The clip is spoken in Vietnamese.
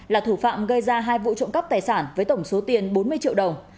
là thủ phạm gây ra hai vụ trộm cắp tài sản với tổng số tiền bốn mươi triệu đồng